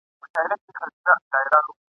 پښتو متلونه ..